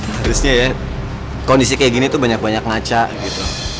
harusnya ya kondisi kayak gini tuh banyak banyak ngaca gitu